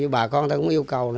bà con ta cũng yêu cầu